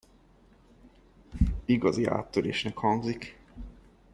Igazi áttörésnek hangzik!